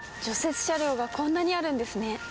雪車両がこんなにあるんですね。